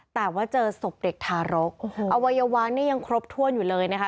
แต่ว่าเจอศพเด็กทารกอวัยวะนี่ยังครบถ้วนอยู่เลยนะคะ